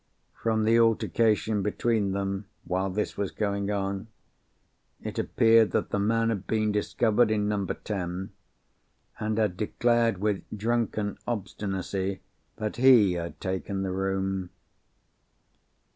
From the altercation between them, while this was going on, it appeared that the man had been discovered in Number Ten, and had declared with drunken obstinacy that he had taken the room.